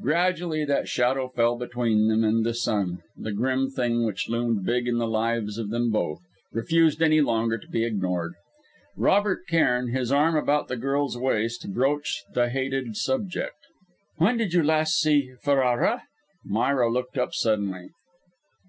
Gradually that shadow fell between them and the sun; the grim thing which loomed big in the lives of them both, refused any longer to be ignored. Robert Cairn, his arm about the girl's waist, broached the hated subject. "When did you last see Ferrara?" Myra looked up suddenly.